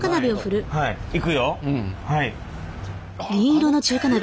はい。